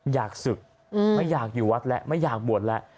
อยากศึกไม่อยากอยู่วัดแล้วไม่อยากบวชแล้ว